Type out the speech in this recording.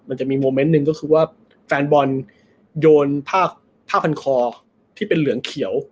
มันจะมีโมเมนต์หนึ่งก็คือว่าแฟนบอลโยนผ้าพันคอที่เป็นเหลืองเขียว